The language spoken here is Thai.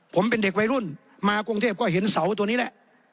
ผมเป็นเด็กวัยรุ่นมากรุงเทพก็เห็นเสาตัวนี้แหละ